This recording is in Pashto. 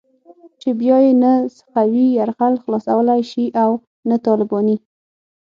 چې بيا يې نه سقوي يرغل خلاصولای شي او نه طالباني.